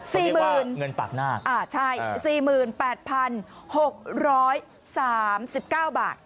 หมื่นเงินปากหน้าอ่าใช่สี่หมื่นแปดพันหกร้อยสามสิบเก้าบาท